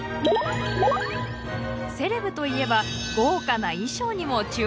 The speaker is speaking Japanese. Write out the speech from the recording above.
セレブといえば豪華な衣装にも注目したいですよね。